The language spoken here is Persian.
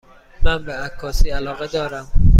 من به عکاسی علاقه دارم.